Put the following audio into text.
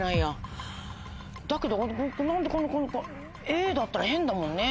だけどこんなＡだったら変だもんね。